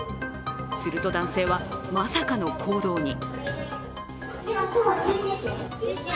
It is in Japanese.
すると、男性はまさかの行動に。